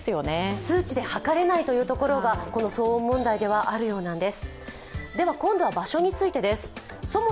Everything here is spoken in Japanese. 数値ではかれないというところが、この騒音問題ではあるようなんです。